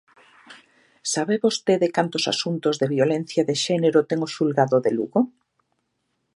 ¿Sabe vostede cantos asuntos de violencia de xénero ten o xulgado de Lugo?